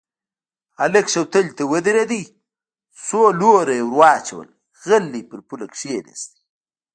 هلک شوتلې ته ودرېد، څو لوره يې ور واچول، غلی پر پوله کېناست.